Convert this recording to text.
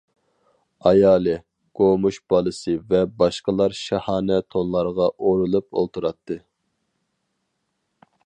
ئايالى، گومۇش بالىسى ۋە باشقىلار شاھانە تونلارغا ئورىلىپ ئولتۇراتتى.